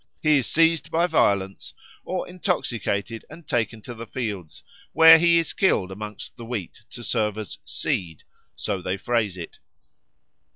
He is seized by violence or intoxicated and taken to the fields, where he is killed amongst the wheat to serve as "seed" (so they phrase it).